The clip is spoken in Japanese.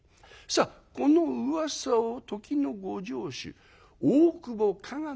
さあこのうわさを時のご城主大久保加賀